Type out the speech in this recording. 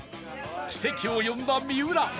奇跡を呼んだ三浦